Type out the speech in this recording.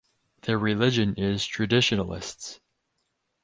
Their religion is traditionalists.